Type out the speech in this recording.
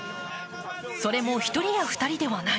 それも１人や２人ではない。